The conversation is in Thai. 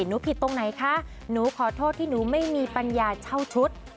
หนูผิดตรงไหนคะหนูขอโทษที่หนูไม่มีปัญญาเช่าชุด